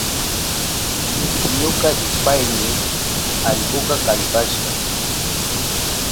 Ñuka rishpayni allkuka kallpashka.